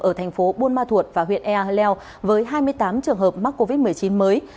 ở tp buôn ma thuột và huyện ea lèo với hai mươi tám trường hợp mắc covid một mươi chín mới